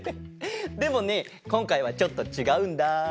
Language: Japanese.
でもねこんかいはちょっとちがうんだ。